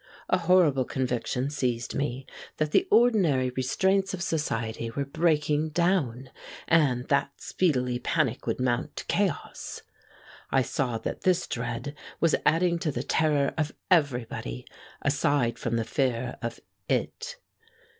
A horrible conviction seized me that the ordinary restraints of society were breaking down, and that speedily panic would mount to chaos. I saw that this dread was adding to the terror of everybody, aside from the fear of IT.